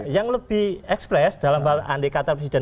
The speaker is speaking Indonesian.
yang lebih ekspres dalam hal andai kata presiden